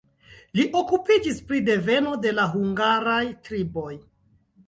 Li okupiĝis pri deveno de la hungaraj triboj.